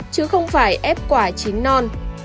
chứ không phải ép quả chín non